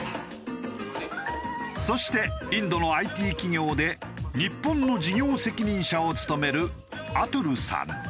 そしてインドのＩＴ企業で日本の事業責任者を務めるアトゥルさん。